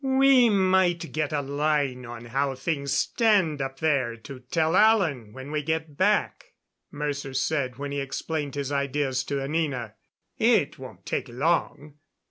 "We might get a line on how things stand up there to tell Alan when we get back," Mercer said when he explained his ideas to Anina. "It won't take long."